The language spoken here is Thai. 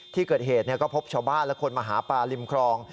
ที่เกิดเหตุก็พบชาวบ้านและคนมาหาปลาริมคลอง